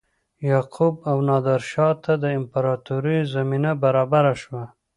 یعقوب او نادرشاه ته د امپراتوریو زمینه برابره شوه.